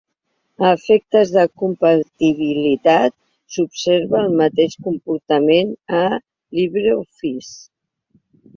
A efectes de compatibilitat, s'observa el mateix comportament a LibreOffice.